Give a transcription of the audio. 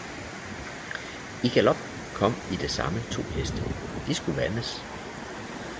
I galop kom i det samme to heste, de skulle vandes